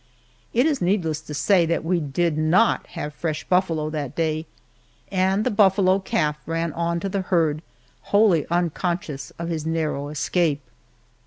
It is needless to say that we did not have fresh buffalo that day! And the buffalo calf ran on to the herd wholly unconscious of his narrow escape.